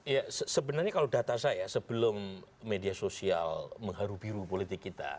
ya sebenarnya kalau data saya sebelum media sosial mengharu biru politik kita